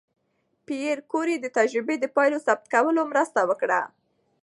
پېیر کوري د تجربې د پایلو ثبت کولو مرسته وکړه.